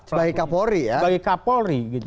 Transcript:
sebagai kapolri ya sebagai kapolri gitu